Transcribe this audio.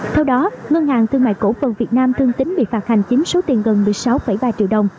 theo đó ngân hàng thương mại cổ phần việt nam thương tính bị phạt hành chính số tiền gần một mươi sáu ba triệu đồng